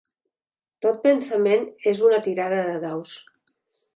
Tot pensament és una tirada de daus».